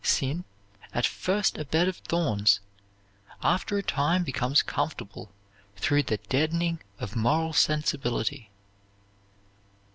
Sin, at first a bed of thorns, after a time becomes comfortable through the deadening of moral sensibility.